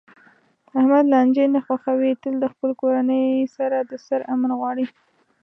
احمد لانجې نه خوښوي، تل د خپل کور کورنۍ د سر امن غواړي.